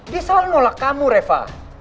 dia selalu nolak kamu reva